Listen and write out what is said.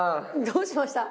どうしました？